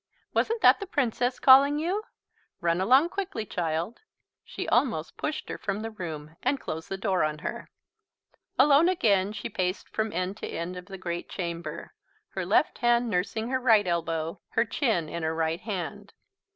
"Wasn't that the Princess calling you? Run along, quickly, child." She almost pushed her from the room and closed the door on her. Alone again, she paced from end to end of the great chamber, her left hand nursing her right elbow, her chin in her right hand.